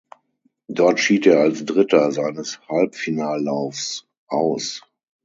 Dort schied er als Dritter seines Halbfinallaufs aus.